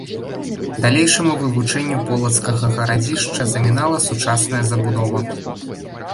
Далейшаму вывучэнню полацкага гарадзішча замінала сучасная забудова.